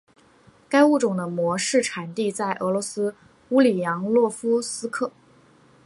该物种的模式产地在俄罗斯乌里扬诺夫斯克。